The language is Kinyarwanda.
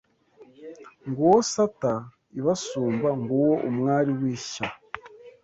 Nguwo sata ibasumba Nguwo umwari w’ishya